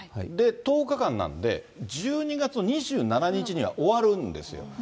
で、１０日間なんで、１２月の２７日には終わるんですよ。